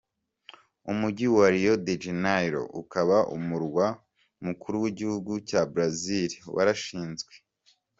Umujyi wa Rio de Janeiro, ukaba umurwa mukuru w’igihugu cya Brazil warashinzwe.